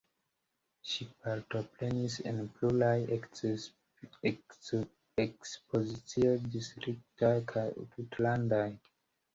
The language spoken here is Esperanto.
Ŝi partoprenis en pluraj ekspozicioj distriktaj kaj tutlandaj.